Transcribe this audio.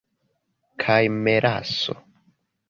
Kaj melaso!